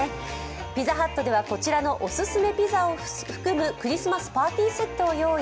ピザハットではこちらのおすすめピザを含むクリスマスパーティーセットを用意。